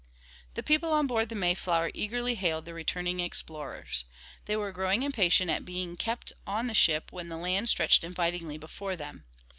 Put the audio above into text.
The people on board the Mayflower eagerly hailed the returning explorers. They were growing impatient at being kept on the ship when the land stretched invitingly before them.